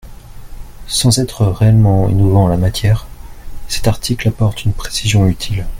Sans être réellement innovant en la matière, cet article apporte une précision utile.